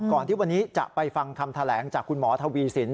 ที่วันนี้จะไปฟังคำแถลงจากคุณหมอทวีสิน